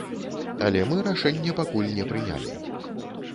Але мы рашэнне пакуль не прынялі.